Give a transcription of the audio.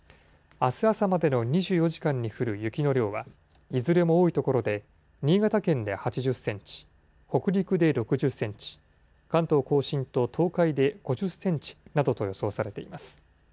あす朝までの２４時間に降る雪の量は、いずれも多い所で、新潟県で８０センチ、北陸で６０センチ、関東甲信と東海で５０センチなどと予想されています。